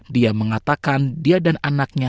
dia mengatakan dia dan anaknya